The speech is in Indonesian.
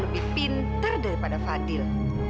lebih pinter daripada fadil